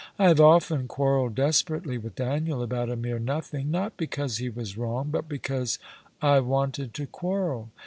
" I have often quarrelled desperately with Daniel about a mere nothing — not because he was wrong, but because I wanted to quarrel.